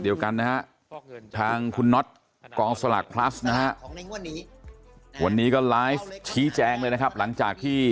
อย่านีนะ